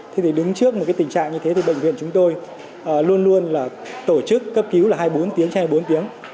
thế thì đứng trước một tình trạng như thế thì bệnh viện chúng tôi luôn luôn tổ chức cấp cứu hai mươi bốn tiếng trên hai mươi bốn tiếng